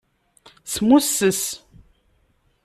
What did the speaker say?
Smusses.